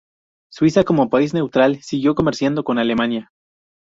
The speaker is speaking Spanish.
Suiza como país neutral siguió comerciando con Alemania.